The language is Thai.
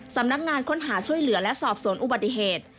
สำนักงานค้นหาช่วยเหลือและสอบสวนอุบัติเหตุ